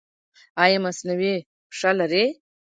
ایا مصنوعي پښه لرئ؟